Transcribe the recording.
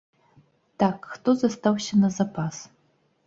Так, хто застаўся на запас?